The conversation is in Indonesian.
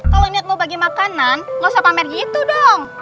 kalau inget mau bagi makanan gak usah pamer gitu dong